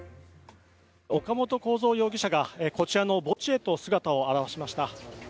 岡本公三容疑者がこちらの墓地へと姿を現しました。